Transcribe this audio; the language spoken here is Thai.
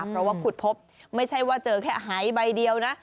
เพราะว่าขุดพบไม่ใช่ว่าเจอแค่หายใบเดียวนะ